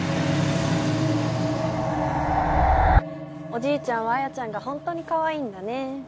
おじいちゃんは彩矢ちゃんが本当にかわいいんだね。